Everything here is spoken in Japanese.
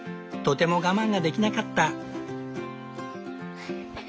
とても我慢ができなかった。